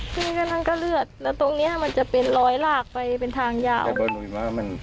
จนกระทั่งก็เลือดแล้วตรงเนี้ยมันจะเป็นรอยลากไปเป็นทางยาว